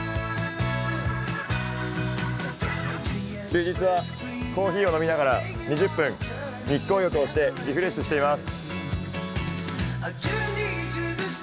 休日はコーヒーを飲みながら２０分、日光浴をしてリフレッシュしています。